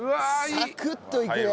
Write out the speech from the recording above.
サクッといくね。